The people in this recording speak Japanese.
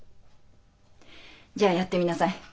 じゃあやってみなさい。